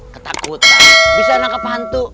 ketakutan bisa nangkep hantu